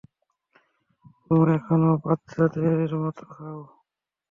তুমি এখনো বাচ্চাদের মতো খাও।